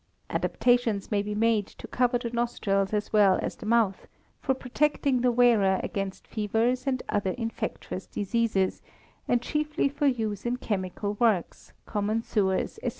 Adaptations may be made to cover the nostrils as well as the mouth, for protecting the wearer against fevers and other infectious diseases, and chiefly for use in chemical works, common sewers, &c.